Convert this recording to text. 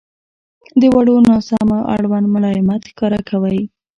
• د وړو ناسمیو اړوند ملایمت ښکاره کوئ.